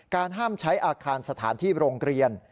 ห้ามใช้อาคารสถานที่โรงเรียน